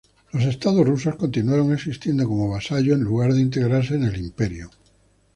Los Estados rusos continuaron existiendo como vasallos en lugar de integrarse en el Imperio.